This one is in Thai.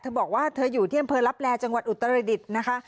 เธอบอกว่าเธออยู่เที่ยงเพลินรับแรงจังหวัดอุตรดิษฐ์นะคะ